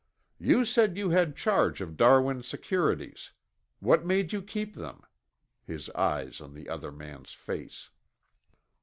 "You said you had charge of Darwin's securities. What made you keep them?" his eyes on the other man's face.